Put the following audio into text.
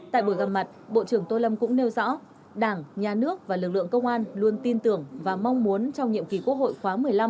tại buổi gặp mặt bộ trưởng tô lâm cũng nêu rõ đảng nhà nước và lực lượng công an luôn tin tưởng và mong muốn trong nhiệm kỳ quốc hội khóa một mươi năm